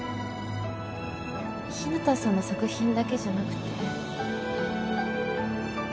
日向さんの作品だけじゃなくて